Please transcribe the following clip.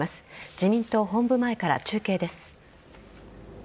自民党本部前から中継です。